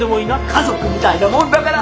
家族みたいなもんだから。